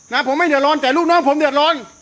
นะผมไม่เดือดร้อนแต่ลูกน้องผมเดือดร้อน